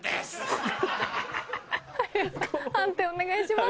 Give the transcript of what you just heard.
判定お願いします。